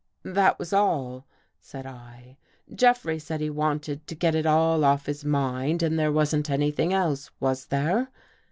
" That was all," said I. " Jeffrey said he wanted to get it all off his mind and there wasn't anything else, was there.